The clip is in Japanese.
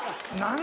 何？